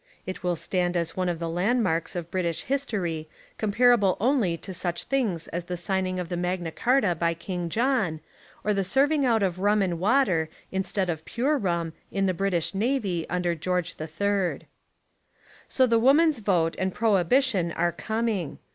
It will stand as one of the landmarks of British his tory comparable only to such things as the signing of the Magna Carta by King John, or the serving out of rum and water instead of pure rum in the British Navy under George III. So the woman's vote and prohibition are coming.